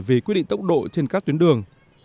về quy định tốc độ trên các tuyến đường